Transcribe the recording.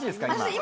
今。